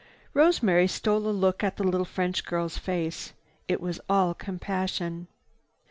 Rosemary stole a look at the little French girl's face. It was all compassion.